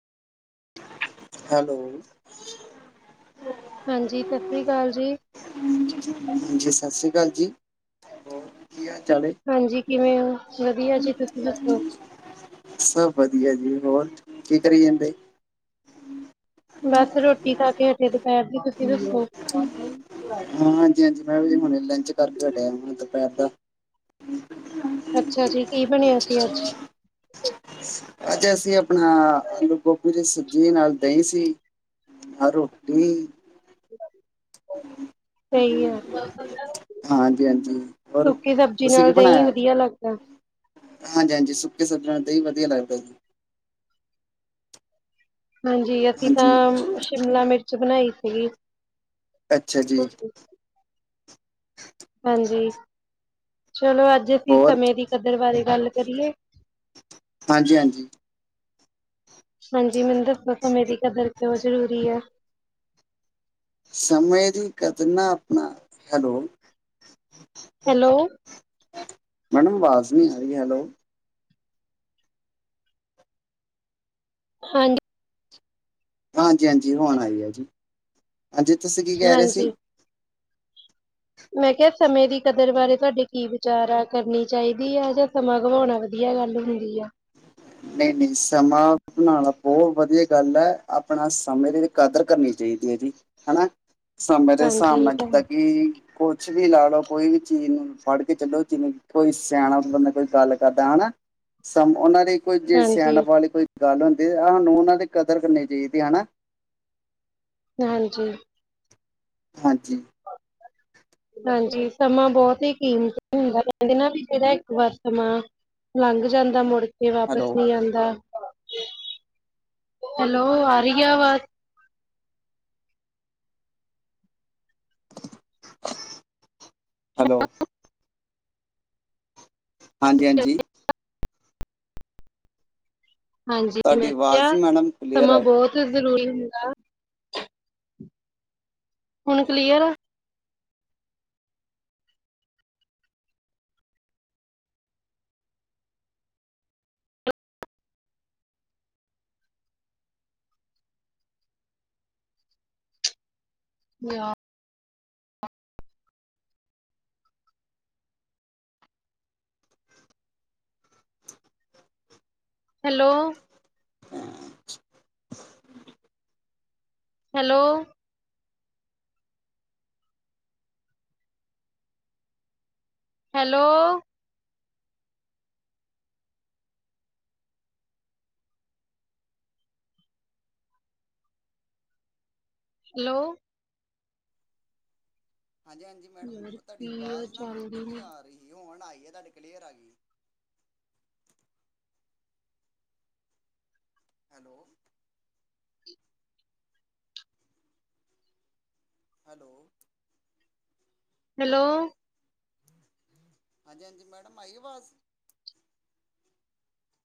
Hello. ਹਾਂਜੀ ਸਤਿ ਸ੍ਰੀ ਅਕਾਲ ਜੀ। ਸਤਿ ਸ੍ਰੀ ਅਕਾਲ ਜੀ ਹੋਰ ਕੀ ਹਾਲ ਹੈ। ਹਾਂਜੀ ਕਿਵੇਂ ਹੋ ਵਧੀਆ ਜੀ ਤੁਸੀਂ ਦੱਸੋ। ਸਭ ਵਧੀਆ ਜੀ ਹੋਰ ਕੀ ਕਰੀ ਜਾਂਦੇ। ਬਸ ਰੋਟੀ ਖਾ ਕੇ ਹਠੇ ਦੁਪਹਿਰ ਦੀ ਤੁਸੀਂ ਦੱਸੋ। ਹਾਂ ਹਾਂਜੀ ਮੈਂ ਜੀ ਹੁਣ ਲੰਚ ਕਰਕੇ ਹਟਿਆ ਹੁਣ ਦੁਪਹਿਰ ਦਾ। ਅੱਛਾ ਜੀ ਕੀ ਬਣਿਆ ਸੀ ਅੱਜ। ਅੱਜ ਅਸੀਂ ਆਪਣਾ ਆਲੂ ਗੋਭੀ ਦੀ ਸਬਜ਼ੀ ਨਾਲ ਦਹੀਂ ਸੀ। ਆ ਰੋਟੀ। ਸਹੀ ਹੈ। ਹਾਂਜੀ ਹਾਂਜੀ ਹੋਰ ਸੁੱਕੀ ਸਬਜ਼ੀ ਤੁਸੀਂ ਕੀ ਨਾਲ ਦਹੀਂ ਬਣਾਇਆ ਵਧੀਆ ਲੱਗਦਾ। ਹਾਂਜੀ ਸੁੱਕੇ ਸੱਜਾਂ ਤੇ ਹੀ ਵਧੀਆ ਲੱਗਦਾ ਸੀ। ਹਾਂਜੀ ਅਸੀਂ ਹਾਂਜੀ ਤਾਂ ਸ਼ਿਮਲਾ ਮਿਰਚ ਬਣਾਈ ਸੀਗੀ। ਅੱਛਾ ਜੀ। ਹਾਂਜੀ ਚਲੋ ਅੱਜ ਅਸੀਂ ਹੋਰ ਸਮੇਂ ਦੀ ਕਦਰ ਬਾਰੇ ਗੱਲ ਕਰੀਏ। ਹਾਂਜੀ। ਹਾਂਜੀ ਮੈਨੂੰ ਦੱਸੋ ਸਮੇ ਦੀ ਕਦਰ ਪਓ ਜ਼ਰੂਰੀ ਹੈ। ਸਮੇਂ ਦੀ ਕਦਰ ਨਾ ਆਪਣਾ ਹੈਲੋ। ਹੈਲੋ। ਮੈਡਮ ਆਵਾਜ਼ ਨੀ ਆ ਰਹੀ ਹੈਲੋ। ਹਾਂਜੀ। ਹਾਂਜੀ ਹੋਣ ਆਈ ਹੈ ਜੀ ਹਾਂਜੀ ਤੁਸੀਂ ਕੀ ਕਹਿ ਰਹੇ ਸੀ। ਹਾਂਜੀ ਮੈਂ ਕਿਹਾ ਸਮੇਂ ਦੀ ਕਦਰ ਬਾਰੇ ਤੁਹਾਡੇ ਕੀ ਵਿਚਾਰ ਆ ਕਰਨੀ ਚਾਹੀਦੀ ਆ ਜਾਂ ਸਮਾਂ ਗਵਾਉਣਾ ਵੀ। ਵਧੀਆ ਗੱਲ ਹੁੰਦੀ ਆ। ਨਹੀਂ ਨਹੀਂ ਸਮਾਂ ਬਣਾਉਣਾ ਬਹੁਤ ਵਧੀਆ ਗੱਲ ਹੈ ਆਪਣਾ ਸਮੇ ਦੇ ਵਿੱਚ। ਕਦਰ ਕਰਨੀ ਚਾਹੀਦੀ ਹੈ। ਜੀ ਹਨਾ ਸਮੇਂ ਦੇ ਹਾਂਜੀ ਹਿਸਾਬ ਇਹ ਨਾਲ ਤਾਂ ਹੈ ਕਿਦਾਂ ਕਿ। ਕੁਛ ਵੀ ਲਾ ਲਓ ਕੋਈ ਵੀ ਚੀਜ਼ ਨੂੰ ਫੜ ਕੇ ਚੱਲੋ ਜਿਵੇਂ ਕੋਈ ਸਿਆਣਾ ਬੰਦਾ ਕੋਈ ਗੱਲ ਕਰਦਾ ਹਨਾ। ਸਮ ਉਹਨਾਂ ਦੀ ਕੋਈ ਜੇ ਹਾਂਜੀ ਸਿਆਣਪ ਵਾਲੀ ਕੋਈ ਗੱਲ ਹੁੰਦੀ ਸਾਨੂੰ ਉਹਨਾਂ ਦੀ ਕਦਰ ਕਰਨੀ ਚਾਹੀਦੀ ਹਨਾ। ਹਾਂਜੀ। ਹਾਂਜੀ। ਹਾਂਜੀ ਸਮਾਂ ਬਹੁਤ ਹੀ ਕੀਮਤੀ ਹੁੰਦਾ ਕਹਿੰਦੇ ਨਾ ਵੀ ਜਿਹੜਾ ਇੱਕ ਵਾਰ ਸਮਾਂ। ਲੰਘ ਜਾਂਦਾ ਮੁੜ ਕੇ। ਵਾਪਿਸ ਹੈਲੋ ਨਹੀਂ ਆਉਂਦਾ ਹੈਲੋ ਆ ਰਹੀ ਆਵਾਜ਼। ਹੈਲੋ। ਹਾਂਜੀ। ਹਾਂਜੀ, ਤੁਹਾਡੀ ਮੈਂ ਆਵਾਜ਼ ਕਿਆ ਮੈਡਮ ਕਲੀਅਰ ਸਮਾਂ ਆਏ ਬਹੁਤ ਜ਼ਰੂਰੀ ਹੁੰਦਾ। ਹੁਨ ਕਲੀਅਰ ਆ। [unintelligible] ਹੈਲੋ, ਹੈਲੋ, ਹੈਲੋ, ਹੈਲੋ, ਹਾਂਜੀ ਹਾਂਜੀ। ਮੈਡਮ ਯਾਰ ਤੁਹਾਡੀ ਕੀ ਆ ਆਵਾਜ਼ ਨਾ ਚੱਲਦੀ ਬਿਲਕੁਲ ਨਹੀਂ ਨੀ। ਆ ਰਹੀ ਹੁਣ ਆਈਏ ਤੁਹਾਡੇ ਕਲੀਅਰ ਆ ਗੀ। ਹੈਲੋ। ਹੈਲੋ, ਹੈਲੋ, ਹਾਂਜੀ ਹਾਂਜੀ, ਮੈਡਮ ਆਈ ਆਵਾਜ਼।